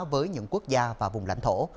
với những quốc gia và vùng lãnh thổ